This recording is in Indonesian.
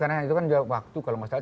ternyata itu kan waktu kalau nggak salah